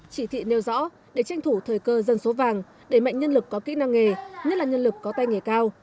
chỉ thị nêu rõ để tranh thủ thời cơ dân số vàng đẩy mạnh nhân lực có kỹ năng nghề nhất là nhân lực có tay nghề cao